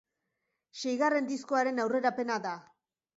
Seigarren diskoaren aurrerapena da.